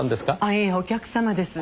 いえお客様です。